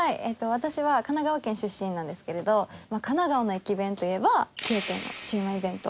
私は神奈川県出身なんですけれど神奈川の駅弁といえば崎陽軒のシウマイ弁当。